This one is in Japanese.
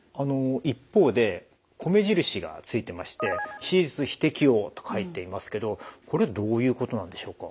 一方で米印がついてまして「手術非適応」と書いていますけどこれどういうことなんでしょうか？